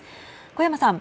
古山さん。